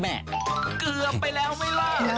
เกือบไปแล้วไหมล่ะ